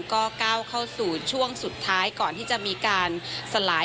ก็ก้าวเข้าสู่ช่วงสุดท้ายก่อนที่จะมีการสลาย